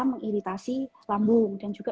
mengiritasi lambung dan juga